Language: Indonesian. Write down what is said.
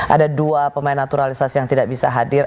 ada dua pemain naturalisasi yang tidak bisa hadir